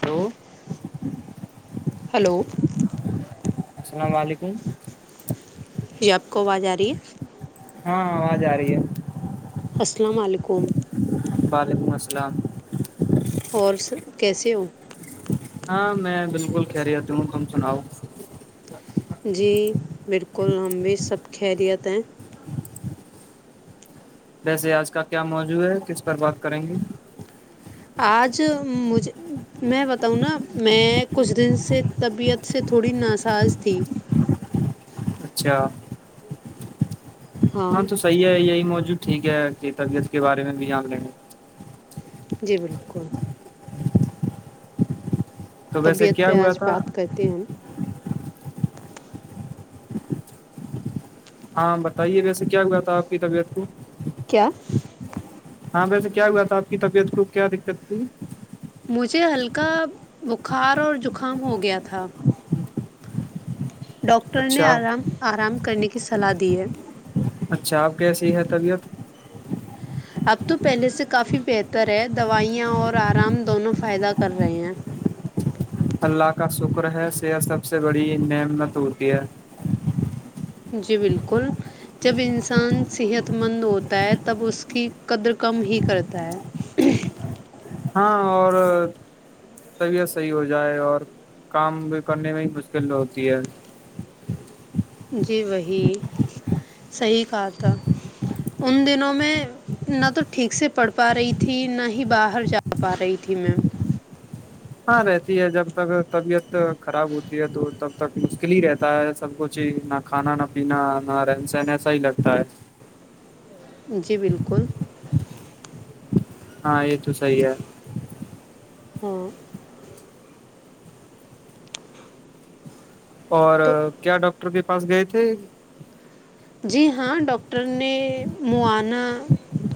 hello hello السلام علیکم جی آپ کو آواز آرہی ہے ہاں آواز آ رہی ہے السلام علیکم وعلیکم السلام اور کیسے ہو ہاں میں بالکل خیریت ہوں تم سناؤ جی بالکل ہم بھی سب خیریت ہیں ویسے آج کا کیا موضوع ہے کس پر بات کریں گے آج مجھ میں بتاؤں نا میں کچھ دن سے طبیعت سے تھوڑی ناساز تھی اچھا ہاں تو صحیح ہے یہی موضوع ٹھیک ہے کہ طبیعت کے بارے میں بھی جان لیں گے جی بالکل تو ویسے طبیعت کیا پہ ہوا آج تھا بات کرتے ہیں ہاں بتائیے ویسے کیا ہوا تھا آپ کی طبیعت کو [inaudible] ہاں ویسے کیا ہوا تھا آپ کی طبیعت کو کیا دقت تھی مجھے ہلکا بخار اور زکام ہو گیا تھا ڈاکٹر نے اچھا آرام آرام کرنے کے کی صلاح دی ہے اچھا آپ کیسی ہے طبیعت اب تو پہلے سے کافی بہتر ہے دوائیاں اور آرام دونوں فائدہ کر رہے ہیں اللہ کا شکر ہے صحت سب سے بڑی نعمت ہوتی ہے جی بالکل جب انسان صحت مند ہوتا ہے تب اس کی قدر کم ہی کرتا ہے ہاں اور طبیعت صحیح ہو جائے اور کام بھی کرنے میں ہی مشکل ہوتی ہے جی وہی صحیح کہا تھا ان دنوں میں نہ تو ٹھیک سے پڑھ پا رہی تھی نہ ہی باہر جا پا رہی تھی میں ہاں رہتی ہے جب تک طبیعت خراب ہوتی ہے تو تب تک مشکل ہی رہتا ہے سب کچھ ہی نہ کھانا نہ پینا نہ رہن سہن ایسا ہی لگتا ہے جی بالکل ہاں یہ تو صحیح ہے ہاں اور تو کیا ڈاکٹر کے پاس گئے تھے جی ہاں ڈاکٹر نے معائنہ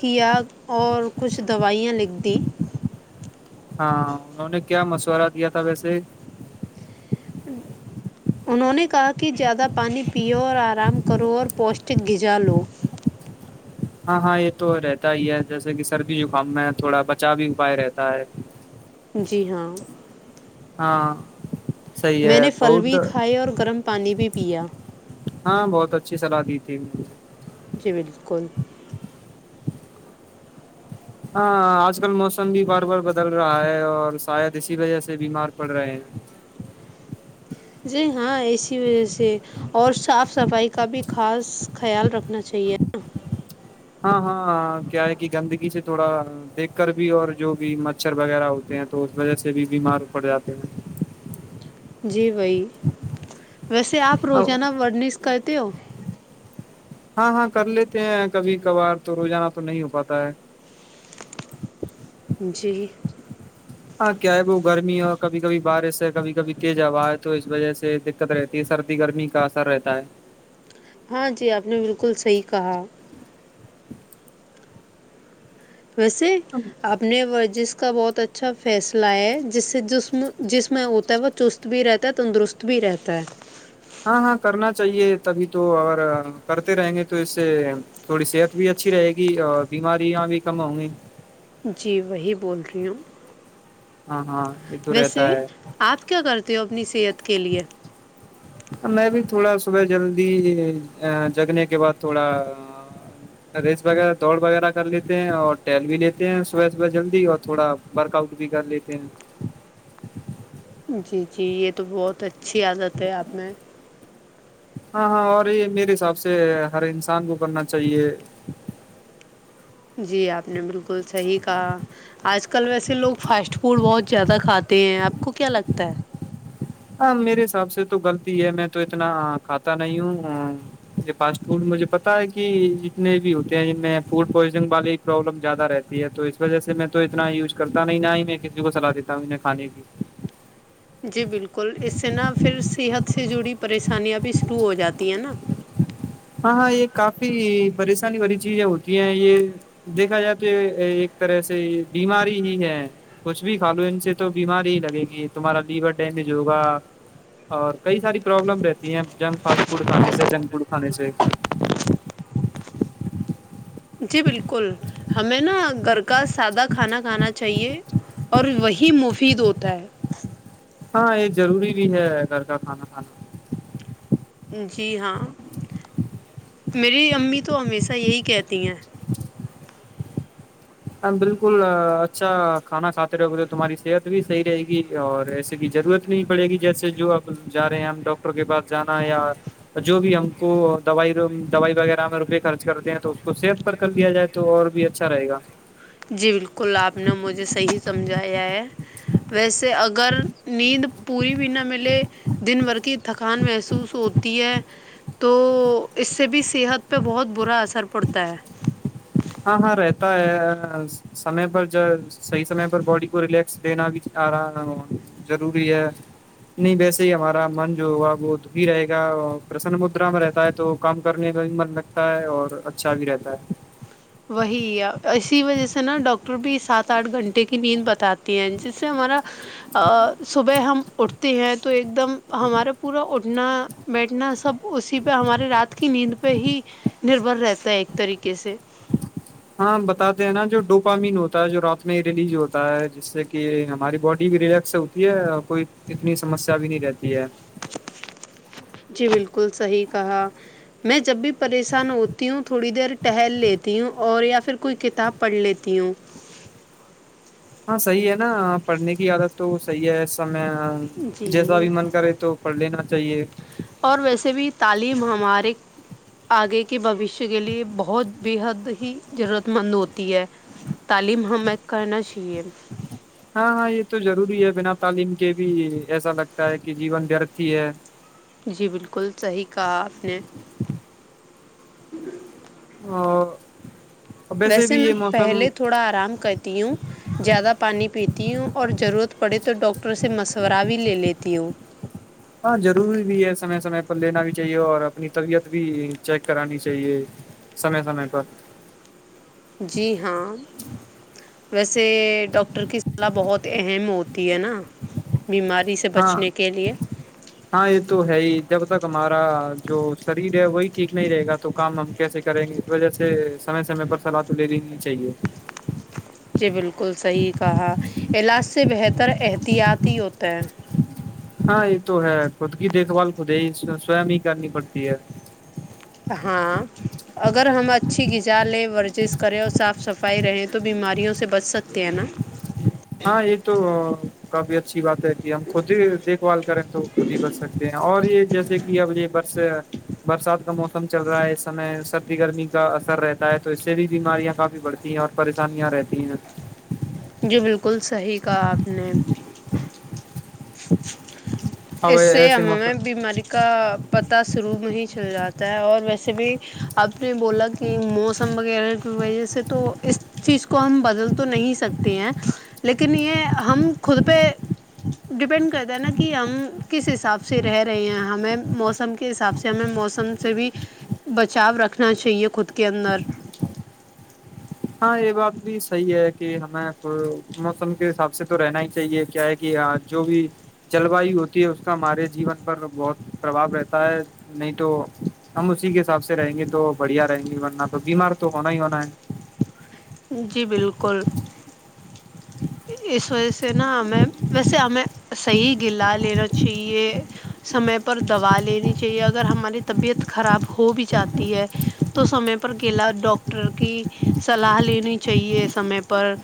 کیا اور کچھ دوائیاں لکھ دی ہاں انہوں نے کیا مشورہ دیا تھا ویسے انہوں نے کہا کہ زیادہ پانی پیو اور آرام کرو اور پوشٹک غذا لو ہاں ہاں یہ تو رہتا ہی ہے جیسے کہ سردی زکام میں تھوڑا بچاوی اپائے رہتا ہے جی ہاں ہاں صحیح میں ہے نے پھل بہت بھی کھائے اور گرم پانی بھی پیا ہاں بہت اچھی صلاح دی تھی جی بالکل ہاں آج کل موسم بھی بار بار بدل رہا ہے اور شاید اسی وجہ سے بیمار پڑ رہے ہیں جی ہاں اسی وجہ سے اور صاف صفائی کا بھی خاص خیال رکھنا چاہیے نا ہاں ہاں کیا ہے کہ گندگی سے تھوڑا دیکھ کر بھی اور جو بھی مچھر وغیرہ ہوتے ہیں تو اس وجہ سے بھی بیمار پڑ جاتے ہیں جی وہی ویسے آپ روزانہ ورنش کا تو ہاں ہاں کر لیتے ہیں کبھی کبھار تو روزانہ تو نہیں ہو پاتا ہے جی ہاں کیا ہے وہ گرمی ہو کبھی کبھی بارش ہے کبھی کبھی تیز ہوا ہے تو اس وجہ سے دقت رہتی ہے سردی گرمی کا اثر رہتا ہے ہاں جی آپ نے بالکل صحیح کہا ویسے آپ نے ور جس کو کا بہت اچھا فیصلہ ہے جس سے جسم جسم ہوتا ہے وہ چست بھی رہتا ہے تندرست بھی رہتا ہے ہاں ہاں کرنا چاہیے تبھی تو اورگر کرتے رہیں گے تو اس سے تھوڑی صحت بھی اچھی رہے گی اور بیماریاں بھی کم ہوں گی جی وہی بول رہی ہوں ہاں ہاں یہ تو رہتا ویسے ہے آپ کیا کرتے ہو اپنی صحت کے لیے میں بھی تھوڑا صبح جلدی جگنے کے بعد تھوڑا ریس وغیرہ دوڑ وغیرہ کر لیتے ہیں اور ٹل بھی لیتے ہیں صبح صبح جلدی اور تھوڑا ورک آؤٹ بھی کر لیتے ہیں جی جی یہ تو بہت اچھا اچھی عادت ہے آپ میں ہاں ہاں اور یہ میرے حساب سے ہر انسان کو کرنا چاہیے جی آپ نے بالکل صحیح کہا آج کل ویسے لوگ فاسٹ فوڈ بہت زیادہ کھاتے ہیں آپ کو کیا لگتا ہے ہاں میرے حساب سے تو غلطی ہے میں تو اتنا کھاتا نہیں ہوں یہ فاسٹ فوڈ مجھے پتا ہے کہ جتنے بھی ہوتے ہیں جن میں فوڈ پوائزننگ والی پرابلم زیادہ رہتی ہے تو اس وجہ سے میں تو اتنا یوز کرتا نہیں نہ ہی میں کسی کو صلاح دیتا ہوں انہیں کھانے کی جی بالکل کو اسے نہا پھر صحت سے جڑی پریشانیاں بھی شروع ہو جاتی ہیں نا ہاں ہاں یہ کافی پریشانی والی چیزیں ہوتی ہیں یہ دیکھا جائے تو یہ ایک طرح سے بیماری ہی ہے کچھ بھی کھا لو ان سے تو بیماری ہی لگے گی تمہارا لیور ڈیمیج ہوگا اور کئی ساری پرابلم رہتی ہیں جنک فاسٹ فوڈ کھانے سے جنک فڈ کھے سےاہ جی بالکل ہمیں نا گھر کا سادہ کھانا کھانا چاہیے اور وہی مفید ہوتا ہے ہاں یہ ضروری بھی ہے گھر کا کھانا کھانا جی ہاں میری امی تو ہمیشہ یہی کہتی ہیں ہم بالکل اچھا کھانا کھاتے رہو تو تمہاری صحت بھی صحیح رہے گی اور ایسے کی ضرورت نہیں پڑے گی جیسے جو اب جا رہے ہیں ہم ڈاکٹر کے پاس جانا یا جو بھی ہم کو دوائی دوائی وغیرہ ہم روپئے خرچ کرتے ہیں تو اس کو صحت پر کر لیا جائے تو اور بھی اچھا رہے گا جی بالکل آپ نے مجھے صحیح سمجھایا ہے ویسے اگر نیند پوری بھی نہ ملے دن بھر کی تھکان محسوس ہوتی ہے تو اس سے بھی صحت پہ بہت برا اثر پڑتا ہے ہاں ہاں رہتا ہے سمے پر جو صحیح سمے پر باڈی کو ریلیکس دینا بھی آ رہا ضروری ہے نہیں ویسے ہی ہمارا من جو ہوا وہ دھی رہے گا اور پرسن مدرا میں رہتا ہے تو کام کرنے میں بھی من لگتا ہے اور اچھا بھی رہتا ہے وہی اسی وجہ سے نا ڈاکٹر بھی سات آٹھ گھنٹے کی نیند بتاتے ہیں جس سے ہمارا صبح ہم اٹھتے ہیں تو ایک ایک دم ہمارا پورا بیھنا بیٹھنا سب اسی پہ ہمارے رات کی نیند پہ ہی نربھر رہتا ہے ایک طریقے سے ہاں بتاتے ہیں نا جو ڈوپامین ہوتا ہے جو رات میں ریلیز ہوتا ہے جس سے کہ ہماری باڈی بھی ریلیکس ہوتی ہے اور کوئی اتنی سمسیا بھی نہیں رہتی ہے جی بالکل صحیح کہا میں جب بھی پریشان ہوتی ہوں تھوڑی دیر ٹہل لیتی ہوں اور یا پھر کوئی کتاب پڑھ لیتی ہوں ہاں صحیح ہے نا پڑھنے کی عادت تو صحیح ہے میں جیسا جی بھی من کرے تو پڑھ لینا چاہیے اور ویسے بھی تعلیم ہمارے آگے کے بھوشیہ کے لیے بہت بے حد ہی ضرورت مند ہوتی ہے تعلیم ہمیں کرنا چاہیے ہاں ہاں یہ تو ضروری ہے بنا تعلیم کے بھی ایسا لگتا ہے کہ جیون ورت ہی ہے جی بالکل صحیح کہا آپ نے ہ [unintelligible] آ [unintelligible] ویسے میں پہلے تھوڑا آرام کرتی ہوں زیادہ پانی پیتی تی ہوں اور ضرورت پڑے تو ڈاکٹر سے مشورہ بھی لے لیتی ہوں ہاں ضروری بھی ہے سمے سمے پر لینا بھی چاہیے اور اپنی طبیعت بھی چیک کرانی چاہیے سمے سمے پر جی ہاں ویسے ڈاکٹر کی صلاح بہت اہم ہوتی تی ہے نا بیماری سے ہاں بچنے کے لیے ہاں یہ تو ہے ہی جب تک ہمارا جو شریر ہے وہی ٹھیک نہیں رہے گا تو کام ہم کیسے کریں گے اس وجہ سے سمے سمے پر سلا تو لینینی چاہیے جی بالکل صحیح کہا علاج سے بہتر احتیاطی ہوتا ہے ہاں یہ تو ہے خود کی دیکھ بھال خود ہی سوم ہی کرنی پڑتی ہے ہاں اگر ہم اچھی غذا لیں ورزش کریں اور صاف صفائی رہیں تو بیماریوں سے بچ سکتے ہیں نا ہاں یہ تو کاابیت بات ہے کہ ہم خود ہی دیکھ بھال کریں تو خود ہی بچ سکتے ہیں اور یہ جیسے کہ اب یہ بس برسات کا موسم چل رہا ہے اس سمے سردی گرمی کا اثر رہتا ہے تو اس سے بھی بیماریاں کافی بڑھتی ہیں اور پریشانیاں رہتی ہیں جو بالکل صحیح کہا آپ نے [inaudible] اس سے ایسے ہمیں موسم بیماری کا پتا شروع میں ہی چل جاتا ہے اور ویسے بھی آپ نے بولا کہ موسم وغیرہ کی وجہ سے تو اس چیز کو ہم بدل تو نہیں سکتے ہیں لیکن یہ ہم خود پہ ڈپینڈ کرتے ہیں نا کہ ہم کس حساب سے رہ رہے ہیں ہمیں موسم کے حساب سے ہمیں موسم سے بھی بچاؤ رکھنا چاہیے خود کے اندر ہاں یہ بات بھی صحیح ہے کہ ہمیں موسم کے حساب سے تو رہنا ہی چاہیے کیا ہے کہ جو بھی جلوایو ہوتی ہے اس کا ہمارے جیون پر بہت پرباؤ رہتا ہے نہیں تو ہم اسی کے حساب سے رہیں گے تو بڑھیا رہیں گے ورنہ تو بیمار تو ہونا ہی ہونا ہے جی بالکل اس وجہ سے نا ہمیں ویسے ہمیں صحیح گلا لینا چاہیے سمے پر دوا لینی چاہیے اگر ہماری طبیعت خراب ہو بھی جاتی ہے تو سمے پر گلا ڈاکٹر کی صلاح لینی چاہیے سمے پر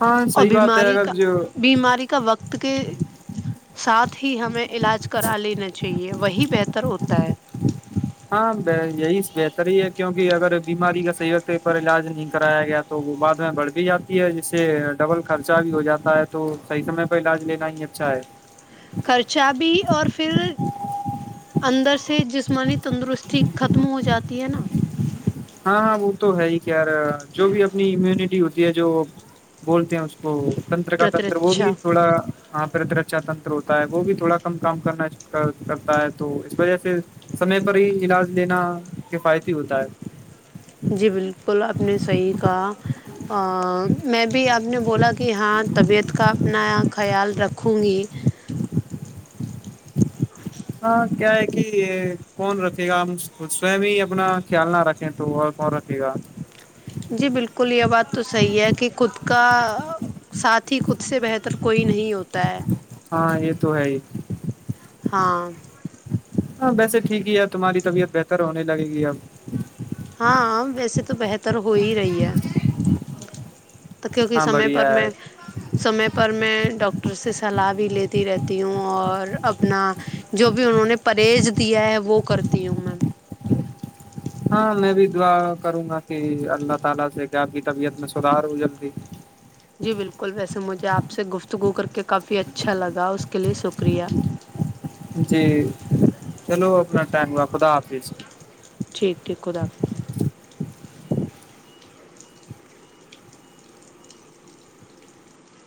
ہاں اور صحیح بات ہے بیماری اگر کا جو بیماری کا وقت کے ساتھ ہی ہمیں علاج کرا لینا چاہیے وہی بہتر ہوتا ہے ہاں یہی بہتر ہی ہے کیوںکہ اگر بیماری کا صحی وقت پر علاج نہیں کرایا گیا تو وہ بعد میں بڑھ بھی جاتی ہے جس سے ڈبل خرچہ بھی ہو جاتا ہے تو صحیح سمے پ علاج لینا ہی اچھا ہے خرچہ بھی اور پھر اندر سے سے جسمانی تندرستی ختم ہو جاتی ہے نا ہاں ہاں وہ تو ہے ہی یار جو بھی اپنی امیوونٹی ہوتی ہے جو بولتے ہیں اس کو تنتر کا تنر وہ بھی پرترچھا تھوڑا پتر اچھا تنر ہو وہ بھی تھوڑا کم کام کرنا کرتا ہے تو اس وجہ سے سمے پر ہی علاج لینا کفایتی ہوتا ہے جی بالکل آپ نے صحیح کہا میں بھی آپ نے بولا کہ ہاں طبیعت کا اپنایا خیال رکھوں گی ہاں کیا ہے کہ کون رکھے گا ہم سوم ہی اپنا خیال نہ رکھیں تو اور کون رکھے گا جی بالکل یہ بات تو صحیح ہے کہ خود کا ساتھ ہی خود سے بہتر کوئی نہیں ہوتا ہے ہاں یہ تو ہے ہی ہاں ہاں ویسے ٹھیک ہی ہے اب تمہاری طبیعت بہتر ہونے لگے گی اب ہاں ویسے تو بہتر ہو ہی رہی ہے کیونکہ ہاں سمے پر بڑھیا ہے میں سمے پر میں ڈاک ڈاکٹر سے صلاح بھی لیتی رہتی ہوں اور اپنا جو بھی انہوں نے پرہیز دیا ہے وہ کرتی ہوں میںی ہاں میں بھی دعا کروں گا کہ اللہ تعالی سے اپ کی طبیعت میں سرار ہو جلدی جی بالکل ویسے مجھے آپ سے گفتگو کر کے کافی اچھا لگا اس کے لیے شکریہ جی چلو اپنا ٹائم آپد آف ٹھیک ٹھیک خد حافظ